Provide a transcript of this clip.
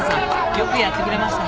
よくやってくれました。